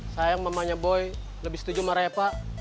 sayang mamanya boy lebih setuju sama repa